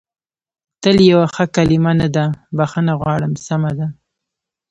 تل یوه ښه کلمه نه ده، بخښنه غواړم، سمه ده.